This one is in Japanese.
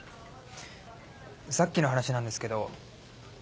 さっきの話なんですけど。